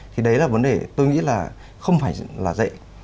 thì đấy là vấn đề tôi nghĩ là không phải là dạy